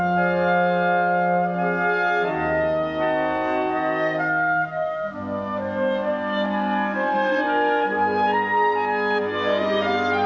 โปรดติดตามต่อไป